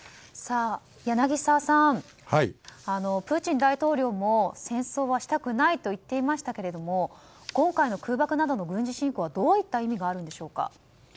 柳澤さん、プーチン大統領も戦争はしたくないと言っていましたけれども今回の空爆などの軍事侵攻はどういう意味があるのでしょうか。